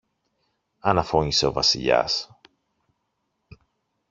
αναφώνησε ο Βασιλιάς.